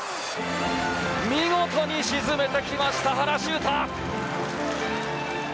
見事に沈めてきました原修太。